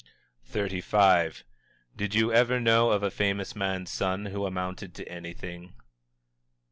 _" XXXV. "_Did you ever know of a famous man's son who amounted to anything?